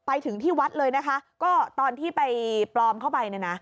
ไปถึงที่วัดเลยนะคะก็ตอนที่ไปปลอมเข้าไปเนี่ยนะ